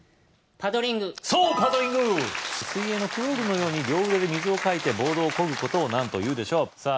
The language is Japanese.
パドリング水泳のクロールのように両腕で水をかいてボードをこぐことを何というでしょうさぁ